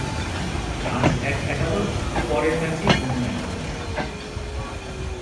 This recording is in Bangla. আজ এক একাদশ তো পরের ম্যাচেই অন্য একাদশ।